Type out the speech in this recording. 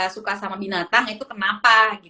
suka sama binatang itu kenapa